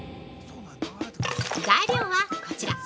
材料はこちら！